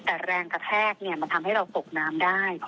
เจ้าหน้าที่บอกว่าทางวัดเนี่ยก็จริงไม่มีส่วนเกี่ยวข้องกับเหตุการณ์ดังกล่าวนะ